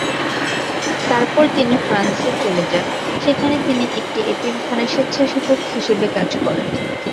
তারপর তিনি ফ্রান্সে চলে যান, যেখানে তিনি একটি এতিমখানায় স্বেচ্ছাসেবক হিসেবে কাজ করেন।